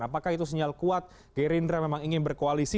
apakah itu sinyal kuat gerindra memang ingin berkoalisi